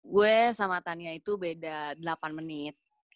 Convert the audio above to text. gue sama tania itu beda delapan menit